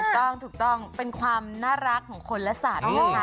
ถูกต้องถูกต้องเป็นความน่ารักของคนและสัตว์นะคะ